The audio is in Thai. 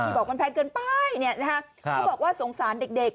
บอกมันแพงเกินไปเนี่ยนะฮะเขาบอกว่าสงสารเด็ก